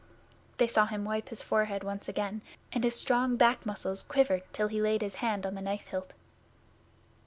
They saw him wipe his forehead once again, and his strong back muscles quivered till he laid his hand on the knife hilt.